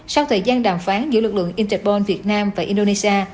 sau thời gian đàm phán giữa lực lượng interbon việt nam và indonesia